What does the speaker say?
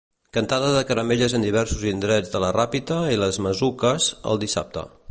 Cantada de caramelles en diversos indrets de La Ràpita i les Masuques el dissabte.